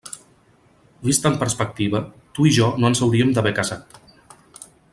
Vist en perspectiva, tu i jo no ens hauríem d'haver casat.